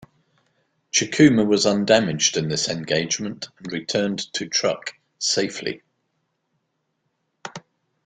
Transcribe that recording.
"Chikuma" was undamaged in this engagement, and returned to Truk safely.